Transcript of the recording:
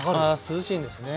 涼しいんですね。